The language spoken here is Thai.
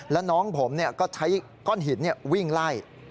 แล้วน้องผมก็ใช้ก้อนหินวิ่งไล่